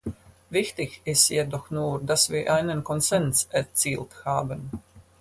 Wichtig ist jedoch nur, dass wir einen Konsens erzielt haben.